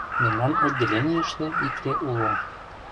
— Мемнан отделенийыште икте уло.